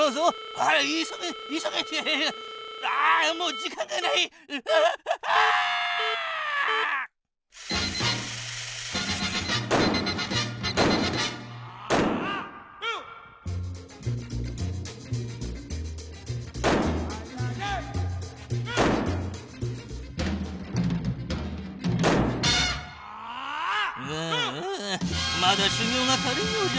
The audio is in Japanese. ああまだしゅぎょうが足りんようじゃのぉ。